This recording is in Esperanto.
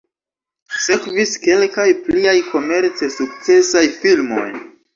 Sekvis kelkaj pliaj komerce sukcesaj filmoj.